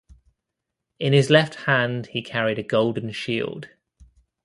In his left hand he carried a golden shield.